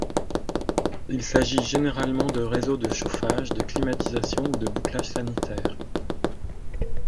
Il s'agit généralement de réseaux de chauffage, de climatisation ou de bouclage sanitaire.